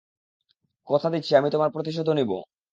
কথা দিচ্ছি, আমি তোমার প্রতিশোধও নিবো।